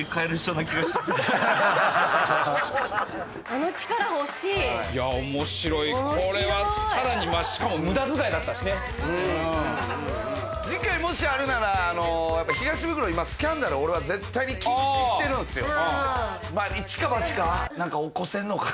あの力欲しいいや面白いこれはさらにまあしかもムダ使いだったしね次回もしあるならあの東ブクロ今スキャンダル俺は絶対に禁止してるんすよ